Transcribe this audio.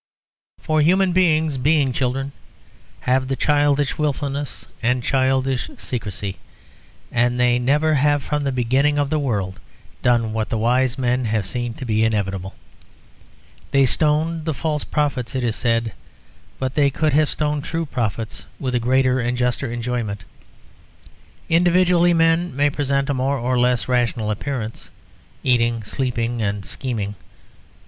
For human beings, being children, have the childish wilfulness and the childish secrecy. And they never have from the beginning of the world done what the wise men have seen to be inevitable. They stoned the false prophets, it is said; but they could have stoned true prophets with a greater and juster enjoyment. Individually, men may present a more or less rational appearance, eating, sleeping, and scheming.